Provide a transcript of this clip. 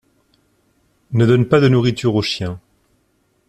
Ne donne pas de nourriture aux chiens.